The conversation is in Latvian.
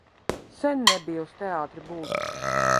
Sen nebija uz teātri būts.